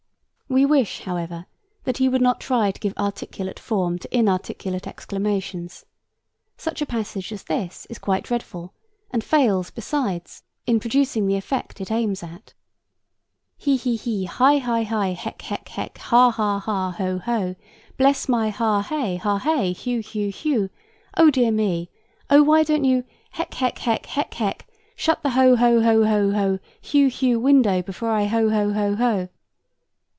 We wish, however, that he would not try to give articulate form to inarticulate exclamations. Such a passage as this is quite dreadful and fails, besides, in producing the effect it aims at: 'He he he, hi hi hi, hec hec hec, ha ha ha! ho ho! Bless my hey ha! hey ha! hugh hugh hugh! Oh dear me! Oh why don't you heck heck heck heck heck! shut the ho ho ho ho hugh hugh window before I ho ho ho ho!'